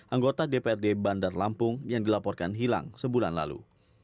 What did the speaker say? anggota dprd bandar lampung yang dilaporkan hilang sebulan lalu